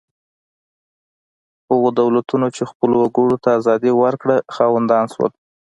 هغو دولتونو چې خپلو وګړو ته ازادي ورکړه خاوندان شول.